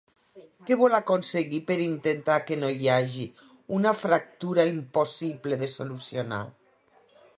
Què vol aconseguir per intentar que no hi hagi una fractura impossible de solucionar?